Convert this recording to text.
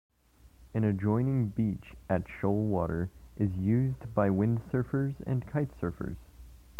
An adjoining beach at Shoalwater is used by windsurfers and kitesurfers.